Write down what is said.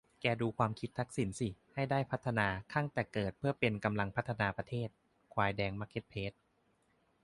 แกดูความคิดทักษิณสิให้ได้พัฒนาคั้งแต่เกิดเพื่อเป็นกำลังพัฒนาประเทศ ควายแดงมาร์เก็ตเพลส